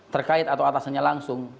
terkait atau atasnya langsung